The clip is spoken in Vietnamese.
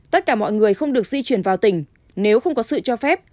tất cả mọi người không được di chuyển vào tỉnh nếu không có sự cho phép